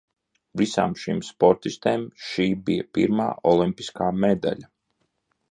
Visām šīm sportistēm šī bija pirmā olimpiskā medaļa.